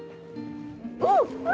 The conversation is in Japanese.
おっ！